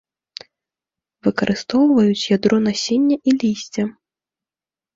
Выкарыстоўваюць ядро насення і лісця.